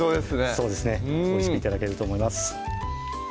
そうですねおいしく頂けると思います